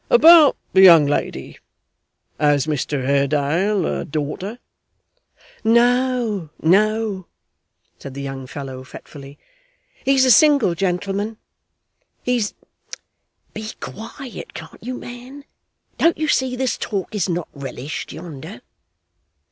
'About the young lady has Mr Haredale a daughter?' 'No, no,' said the young fellow fretfully, 'he's a single gentleman he's be quiet, can't you, man? Don't you see this talk is not relished yonder?